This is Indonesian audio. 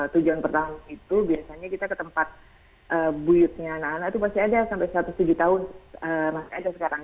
tujuan pertama itu biasanya kita ke tempat buyutnya anak anak itu pasti ada sampai satu ratus tujuh tahun masih ada sekarang